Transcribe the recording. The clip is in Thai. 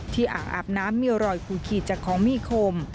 อ่างอาบน้ำมีรอยขูดขีดจากของมีคม